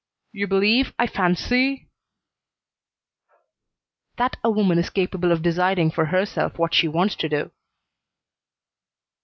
"You believe, I fancy " "That a woman is capable of deciding for herself what she wants to do."